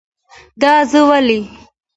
دا زه ولی؟